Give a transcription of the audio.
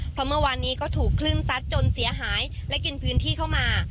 เพราะเมื่อวานนี้ก็ถูกคลื่นซัดจนเสียหายและกินพื้นที่เข้ามา